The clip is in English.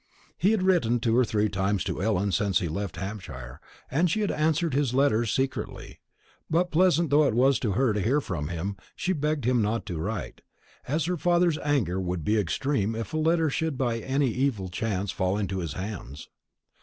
He had written two or three times to Ellen since he left Hampshire, and she had answered his letters secretly; but pleasant though it was to her to hear from him, she begged him not to write, as her father's anger would be extreme if a letter should by any evil chance fall into his hands.